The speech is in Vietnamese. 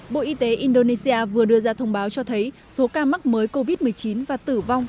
bộ y tế indonesia vừa đưa ra thông báo cho thấy số ca mắc mới covid một mươi chín và tử vong